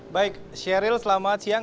baik sheryl selamat siang